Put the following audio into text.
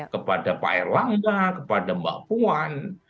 kepada pak erlangga kepada mbak puan